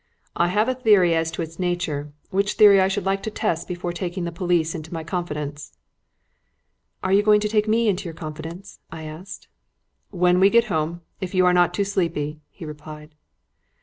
I have a theory as to its nature, which theory I should like to test before taking the police into my confidence." "Are you going to take me into your confidence?" I asked. "When we get home, if you are not too sleepy," he replied.